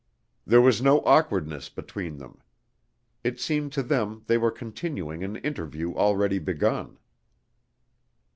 There was no awkwardness between them. It seemed to them they were continuing an interview already begun.